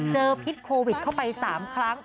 พิษโควิดเข้าไป๓ครั้ง